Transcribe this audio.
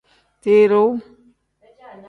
Tiruu.